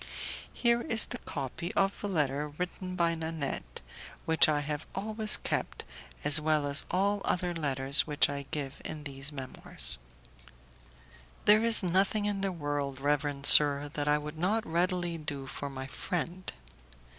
Here is the copy of the letter written by Nanette, which I have always kept, as well as all other letters which I give in these Memoirs: "There is nothing in the world, reverend sir, that I would not readily do for my friend.